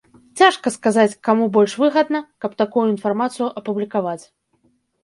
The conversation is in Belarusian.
Цяжка сказаць, каму больш выгадна, каб такую інфармацыю апублікаваць.